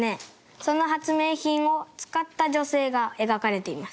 その発明品を使った女性が描かれています。